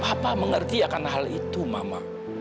apa mengerti akan hal itu mama